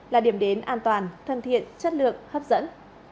là điểm đến an toàn thân thiện chất lượng hấp dẫn